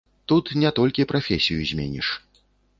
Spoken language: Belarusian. Тут не толькі прафесію зменіш.